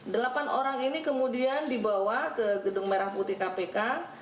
delapan orang ini kemudian dibawa ke gedung merah putih kpk